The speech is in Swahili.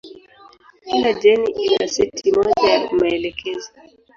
Kila jeni ina seti moja ya maelekezo.